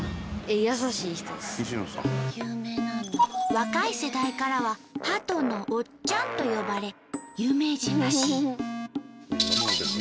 若い世代からは「ハトのおっちゃん」と呼ばれ有名人らしい。